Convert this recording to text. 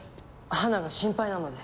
花が心配なので。